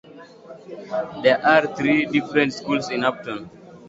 There are three different schools in Upton.